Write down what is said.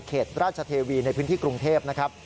ราชเทวีในพื้นที่กรุงเทพนะครับ